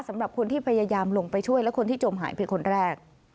สำหรับคนที่พยายามลงไปช่วยและคนที่จมหายไปคนแรก